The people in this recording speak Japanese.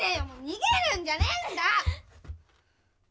逃げるんじゃねえんだ！